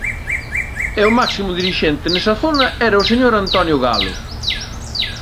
E o máximo dirixente nesa zona era o señor Antonio Galo.